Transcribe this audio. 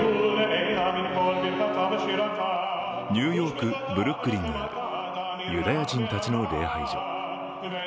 ニューヨーク・ブルックリンにあるユダヤ人たちの礼拝所。